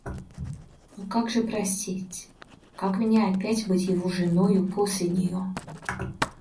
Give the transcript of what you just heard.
Но как же простить, как мне опять быть его женою после нее?